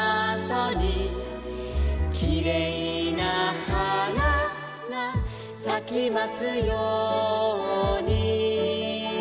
「きれいなはながさきますように」